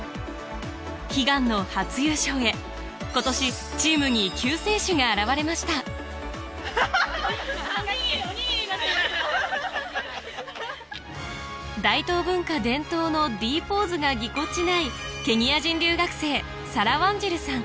悲願の初優勝へ今年チームに救世主が現れました大東文化伝統のＤポーズがぎこちないケニア人留学生サラ・ワンジルさん